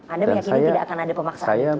anda meyakini tidak akan ada pemaksaan